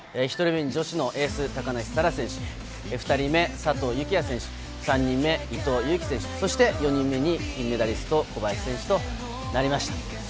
１人目に女子のエース・高梨沙羅選手、２人目・佐藤幸椰選手、３人目・伊藤有希選手、４人目に金メダリスト・小林陵侑選手となりました。